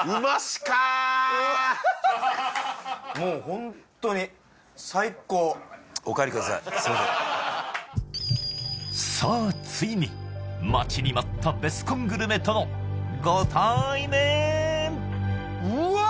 もうホントに最高さあついに待ちに待ったベスコングルメとのご対面うわっ！